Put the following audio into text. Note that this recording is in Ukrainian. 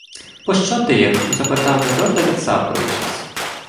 — Пощо ти їх? — запитав Людота, відсапуючись.